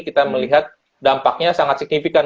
kita melihat dampaknya sangat signifikan